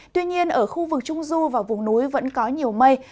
tuy nhiên ở khu vực trung du và vùng núi vẫn có nhiều mây